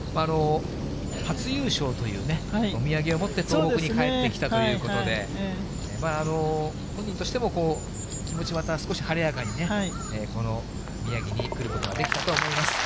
初優勝というね、お土産を持って、東北に帰ってきたということで、本人としても、気持ちまた少し晴れやかにね、この宮城に来ることができたと思います。